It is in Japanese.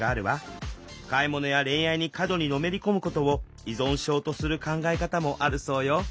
買い物や恋愛に過度にのめり込むことを依存症とする考え方もあるそうよ。